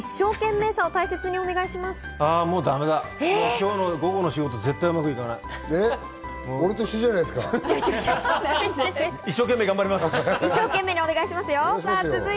今日の午後の仕事、絶対うまくいかない。